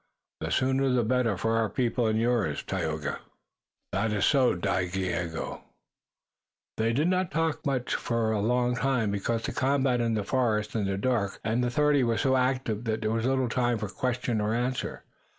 "The sooner the better for our people and yours, Tayoga." "That is so, Dagaeoga." They did not talk much more for a long time because the combat in the forest and the dark deepened, and the thirty were so active that there was little time for question or answer.